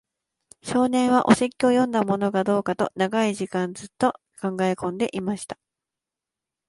少年は、お説教を読んだものかどうかと、長い間じっと考えこんでいました。